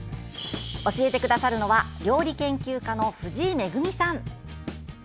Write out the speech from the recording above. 教えてくださるのは料理研究家の藤井恵さん。